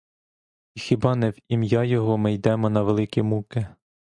І хіба не в ім'я його ми йдемо на великі муки?